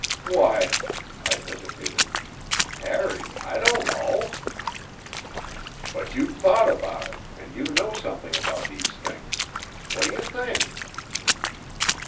"Why " I hesitated. "Harry, I don't know." "But you've thought about it, and you know something about these things. What do you think?"